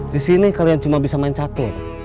di sini kalian cuma bisa main catur